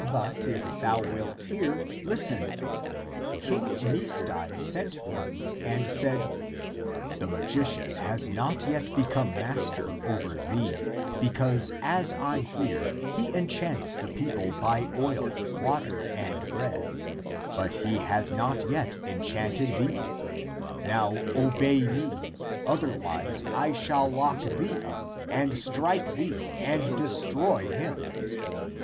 But if thou wilt hear, listen : King Misdai sent for me and said, the magician has not yet become master over thee, be cause as I hear, he enchants the people by oil, water and bread, but he has not yet enchanted thee. Now obey me, otherwise I shall lock thee up and strike 350 THE APOCRYPHAL ACTS thee, and destroy him.